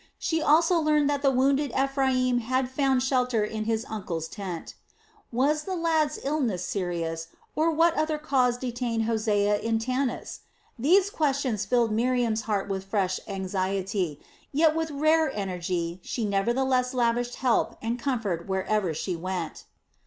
She also learned that the wounded Ephraim had found shelter in his uncle's tent. Was the lad's illness serious, or what other cause detained Hosea in Tanis? These questions filled Miriam's heart with fresh anxiety, yet with rare energy she nevertheless lavished help and comfort wherever she went.